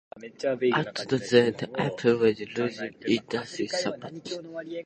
At the time, Apple was losing industry support.